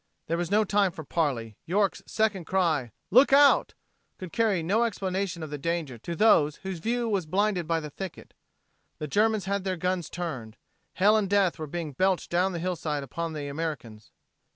There was no time for parley. York's second cry, "Look out!" could carry no explanation of the danger to those whose view was blinded by the thicket. The Germans had their guns turned. Hell and death were being belched down the hillside upon the Americans.